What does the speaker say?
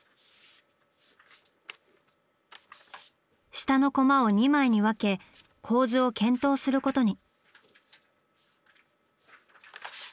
下のコマを２枚に分け構図を検討することに。